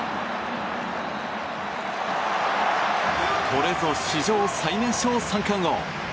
これぞ史上最年少三冠王。